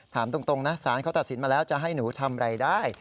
ถามตรงนะสารเขาตัดสินมาแล้วจะให้หนูทำอะไรได้